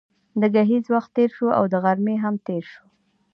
د ګهیځ وخت تېر شو او د غرمې هم تېر شو.